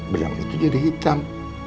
benang itu jadi hitam